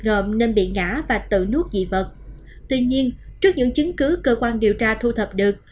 gồm nên bị ngã và tự nuốt dị vật tuy nhiên trước những chứng cứ cơ quan điều tra thu thập được